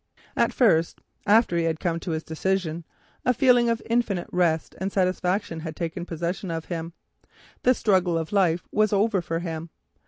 At first, after he had come to his decision, a feeling of infinite rest and satisfaction had taken possession of him. The struggle of life was over for him.